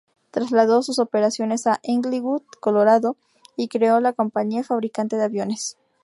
Trasladó sus operaciones a Englewood, Colorado, y creó la compañía fabricante de aviones.